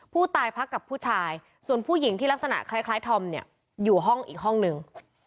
พักกับผู้ชายส่วนผู้หญิงที่ลักษณะคล้ายธอมเนี่ยอยู่ห้องอีกห้องนึง